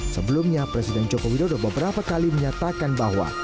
sebelumnya presiden joko widodo beberapa kali menyatakan bahwa